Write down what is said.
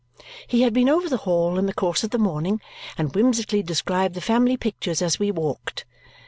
He had been over the Hall in the course of the morning and whimsically described the family pictures as we walked.